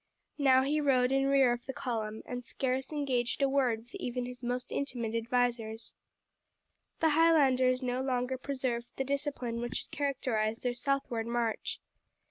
Now he rode in rear of the column, and scarce exchanged a word with even his most intimate advisers. The Highlanders no longer preserved the discipline which had characterized their southward march.